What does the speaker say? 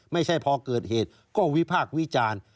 ไม่ใช่พอเกิดเหตุก็วิพากษ์วิจารณ์